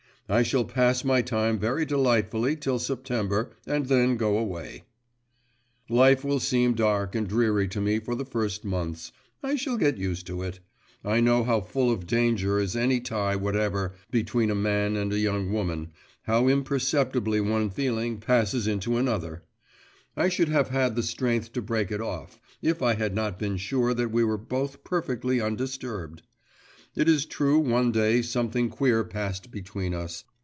I shall pass my time very delightfully till September and then go away. Life will seem dark and dreary to me for the first months … I shall get used to it. I know how full of danger is any tie whatever between a man and a young woman, how imperceptibly one feeling passes into another … I should have had the strength to break it off, if I had not been sure that we were both perfectly undisturbed. It is true one day something queer passed between us.